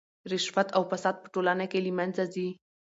رشوت او فساد په ټولنه کې له منځه ځي.